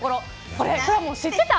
これ、くらもん知ってた。